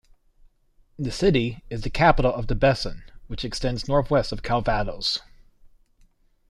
The city is the capital of the Bessin, which extends north-west of Calvados.